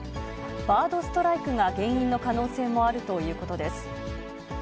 バードストライクが原因の可能性もあるということです。